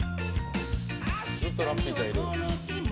ずっとラッピーちゃんいる。